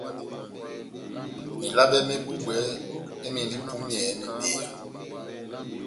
Melabe mé búbwɛ mémɛdɛndi ipúmiyɛ mebeya.